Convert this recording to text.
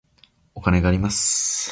お金があります。